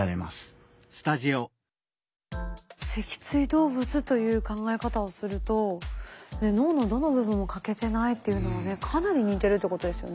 脊椎動物という考え方をすると脳のどの部分も欠けてないっていうのはねかなり似てるってことですよね。